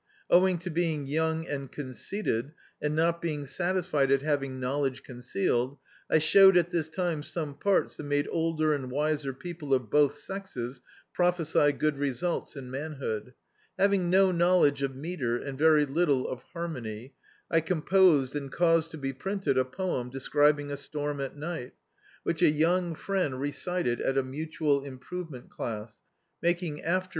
Owing to being young and conceited and not being satisfied at hav ing knowledge concealed, I showed at this time seme parts that made older and wiser people of both sexes prophesy good results in manhood. Having no knowledge of metre and very little of harmony, I composed and caused b> be printed a poem de scribing a storm at ni^t, which a young friend re cited at a mutual improvement classi making after [.